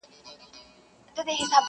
ورور چوپ پاتې کيږي او له وجدان سره جنګېږي,